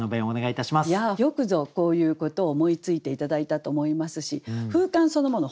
いやあよくぞこういうことを思いついて頂いたと思いますし封緘そのもの